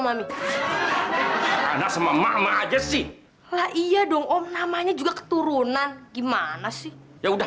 mami anak sama emak emak aja sih lah iya dong om namanya juga keturunan gimana sih ya udah